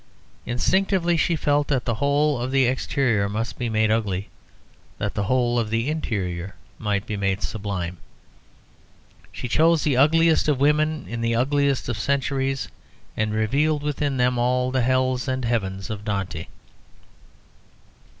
Instinctively she felt that the whole of the exterior must be made ugly that the whole of the interior might be made sublime. She chose the ugliest of women in the ugliest of centuries, and revealed within them all the hells and heavens of Dante.